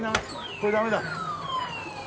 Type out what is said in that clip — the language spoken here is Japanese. これダメだ。